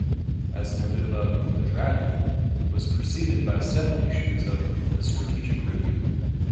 As noted above "The Dragon" was preceded by seven issues of "The Strategic Review".